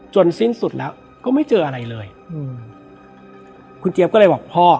สิ้นสุดแล้วก็ไม่เจออะไรเลยอืมคุณเจี๊ยบก็เลยบอกพ่อ